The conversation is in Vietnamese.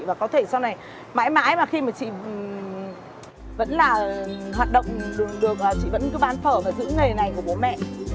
và có thể sau này mãi mãi và khi mà chị vẫn là hoạt động được chị vẫn cứ bán phở và giữ nghề này của bố mẹ